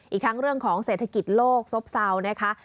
อีกทั้งเรื่องของเศรษฐกิจโลกซบเซานะคะ